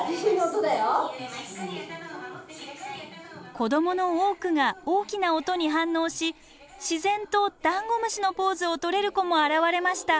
子どもの多くが大きな音に反応し自然とダンゴムシのポーズをとれる子も現れました！